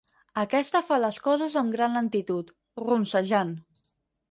Aquesta fa les coses amb gran lentitud, ronsejant.